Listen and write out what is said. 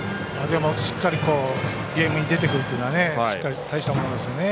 しっかりゲームに出てくるというのはたいしたものですよね。